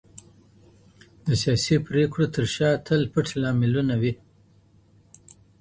د سياسي پرېکړو تر شا تل پټ لاملونه وي.